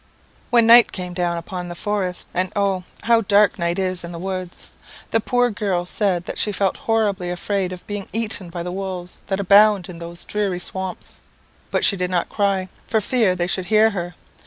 "When night came down upon the forest, (and oh! how dark night is in the woods!) the poor girl said that she felt horribly afraid of being eaten by the wolves that abound in those dreary swamps; but she did not cry, for fear they should hear her.